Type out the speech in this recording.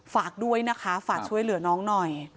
ฝากด้วยนะคะฝากช่วยเหลือน้องหน่อย